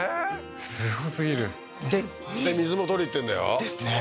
すごすぎるでで水も取りにいってんだよですね